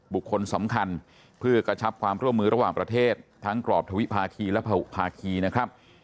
บุคคลสำคัญเพื่อกระชับความร่วมมือระหว่างประเทศทั้งกรอบทวิภาคีและภาคีนะครับ